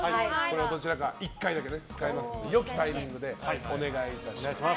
どちらか１回だけ使えますので良きタイミングでお願いいたします。